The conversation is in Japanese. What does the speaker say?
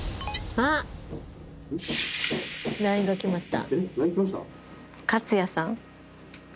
えっＬＩＮＥ来ました？